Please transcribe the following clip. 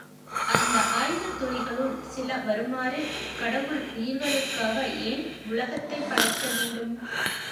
அந்த ஆய்வுத் துளிகளுள் சில வருமாறு கடவுள் உயிர்களுக்காக ஏன் உலகத்தைப் படைக்க வேண்டும்?